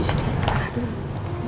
ini mau dihabisin